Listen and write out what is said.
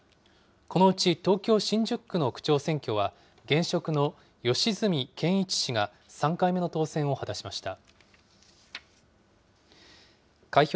このうち東京・新宿区の区長選挙は、現職の吉住健一氏が３回目の当選を果たしました。